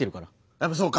やっぱそうか。